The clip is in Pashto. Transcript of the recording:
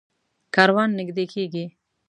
کاروان نږدې کېږي.